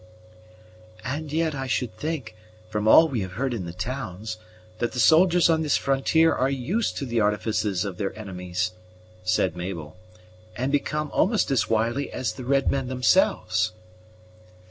"And yet I should think, from all we have heard in the towns, that the soldiers on this frontier are used to the artifices of their enemies," said Mabel, "and become almost as wily as the red men themselves."